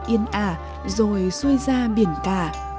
yên ả rồi xuôi ra biển cà